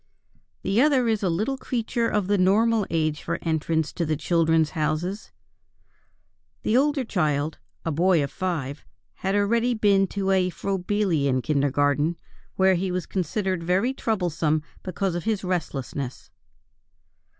The other is a little creature of the normal age for entrance to the Children's Houses. The older child (a boy of five) had already been to a Froebelian Kindergarten, where he was considered very troublesome because of his restlessness.